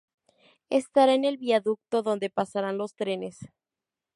Estará en el viaducto donde pasaran los trenes.